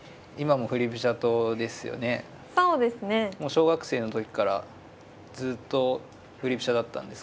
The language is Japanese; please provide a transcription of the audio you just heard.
小学生の時からずっと振り飛車だったんですか？